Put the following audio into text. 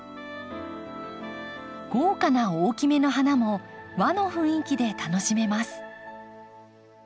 豪華な大きめの花も和の雰囲気で楽しめます。